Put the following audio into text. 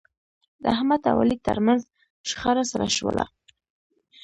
د احمد او علي ترمنځ شخړه سړه شوله.